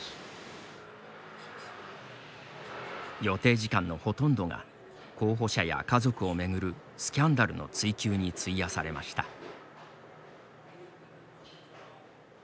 予定時間のほとんどが候補者や家族を巡るスキャンダルの追及に費やされました。